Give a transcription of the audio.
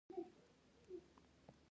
متعصب خلک په ټولو طبقو کې پیدا کېدای شي